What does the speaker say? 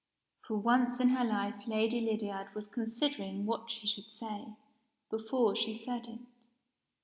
For once in her life Lady Lydiard was considering what she should say, before she said it.